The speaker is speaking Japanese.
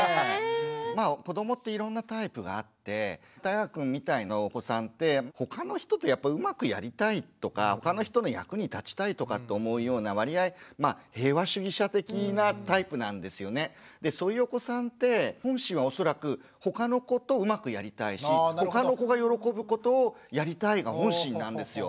まあ子どもっていろんなタイプがあってたいがくんみたいなお子さんって他の人とうまくやりたいとか他の人の役に立ちたいとかって思うような割合そういうお子さんって本心は恐らく他の子とうまくやりたいし他の子が喜ぶことをやりたいが本心なんですよ。